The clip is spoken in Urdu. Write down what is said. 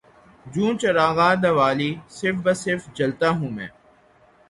جوں چراغانِ دوالی صف بہ صف جلتا ہوں میں